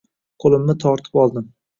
Qo`limni tortib oldim